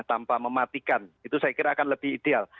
tanpa mematikan itu saya kira akan lebih ideal